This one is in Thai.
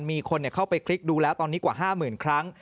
มีคนเข้าไปคลิกดูแล้วตอนนี้กว่า๕๐๐๐ครั้ง